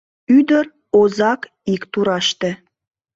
Ӱдыр, озак ик тураште